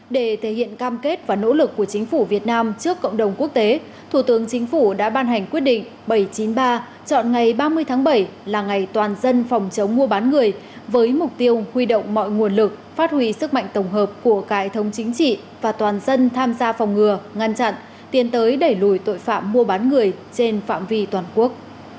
để thể hiện cam kết và nỗ lực của chính phủ việt nam trước cộng đồng quốc tế thủ tướng chính phủ đã ban hành quyết định bảy trăm chín mươi ba chọn ngày ba mươi tháng bảy là ngày toàn dân phòng chống mua bán người với mục tiêu huy động mọi nguồn lực phát huy sức mạnh tổng hợp của cải thống chính trị và toàn dân tham gia phòng ngừa ngăn chặn tiến tới đẩy lùi tội phạm mua bán người trên phạm vi toàn quốc